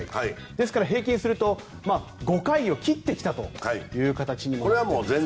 ですから平均すると５回を切ってきたという形になっていますね。